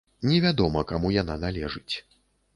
Невядома каму яна належыць.